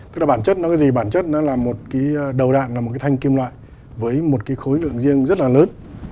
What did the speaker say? tức là bản chất nó cái gì bản chất nó là một cái đầu đạn là một cái thanh kim loại với một cái khối lượng riêng rất là lớn